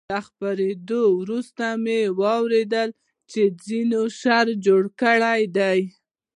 له خپرېدو وروسته مې واورېدل چې ځینو شر جوړ کړی دی.